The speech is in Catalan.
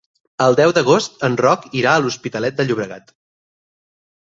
El deu d'agost en Roc irà a l'Hospitalet de Llobregat.